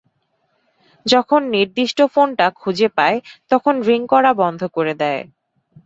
যখন নির্দিষ্ট ফোনটা খুঁজে পায়, তখন রিং করা বন্ধ করে দেয়।